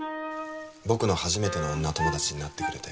僕の初めての女友達になってくれて